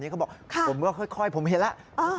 เขาบอกผมก็ค่อยผมเห็นแล้ว